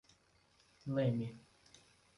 Leme